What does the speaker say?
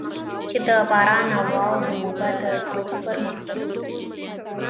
چې د باران او واورې اوبه د ځمکې پر مخ بهېږي.